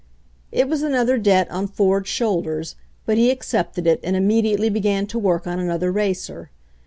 It was another debt on Ford's shoulders, but he accepted it and immediately began to work on another racer.